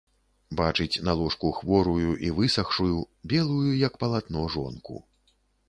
Бачыць на ложку хворую i высахшую, белую як палатно жонку...